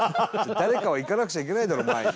「誰かは行かなくちゃいけないだろ前に」